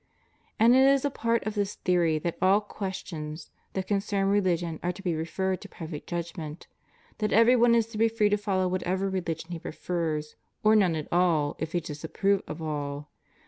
And it is a part of this theory that all questions that concern religion are to be referred to private judgment; that every one is to be free to follow whatever religion he prefers, or none at all if he disapprove of all.